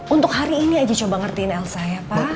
untuk hari ini aja coba ngertiin elsa ya pak